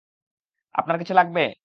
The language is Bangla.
আপনার কিছু লাগবে?